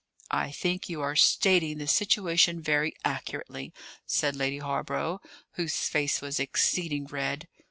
"I think you are stating the situation very accurately," said Lady Hawborough, whose face was exceeding red.